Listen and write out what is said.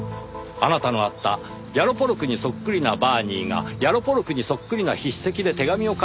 あなたの会ったヤロポロクにそっくりなバーニーがヤロポロクにそっくりな筆跡で手紙を書いたわけですよ。